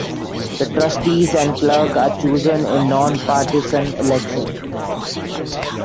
The trustees and clerk are chosen in non-partisan elections.